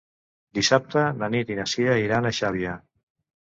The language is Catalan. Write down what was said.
Dissabte na Nit i na Cira iran a Xàbia.